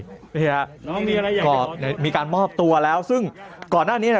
น้องมีอะไรอย่างนี้ก็มีการมอบตัวแล้วซึ่งก่อนหน้านี้น่ะ